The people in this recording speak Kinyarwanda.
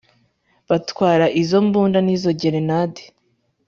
Batwara izo mbunda nizo gerenadi